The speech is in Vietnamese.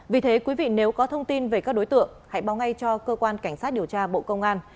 vì thế quý vị nếu có thông tin về các đối tượng hãy báo ngay cho cơ quan cảnh sát điều tra bộ công an